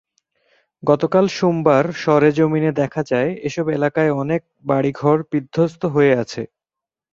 গতকাল সোমবার সরেজমিনে দেখা যায়, এসব এলাকার অনেক বাড়িঘর বিধ্বস্ত হয়ে আছে।